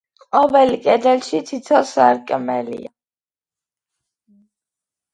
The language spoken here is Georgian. ყოველ კედელში თითო სარკმელია.